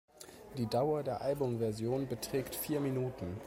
Die Dauer der Albumversion beträgt vier Minuten.